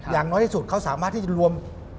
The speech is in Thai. อย่างน้อยที่สุดเขาสามารถที่จะรวม